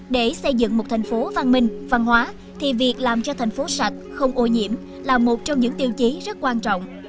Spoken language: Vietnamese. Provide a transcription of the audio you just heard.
để xây dựng một thành phố văn minh văn hóa thì việc làm cho thành phố sạch không ô nhiễm là một trong những tiêu chí rất quan trọng